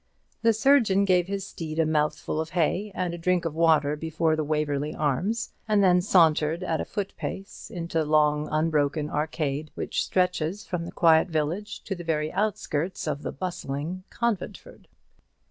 The surgeon gave his steed a mouthful of hay and a drink of water before the Waverly Arms, and then sauntered at a foot pace into the long unbroken arcade which stretches from the quiet village to the very outskirts of the bustling Conventford.